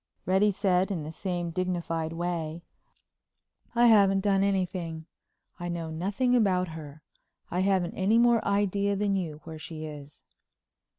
Reddy said in the same dignified way: "I haven't done anything. I know nothing about her. I haven't any more idea than you where she is."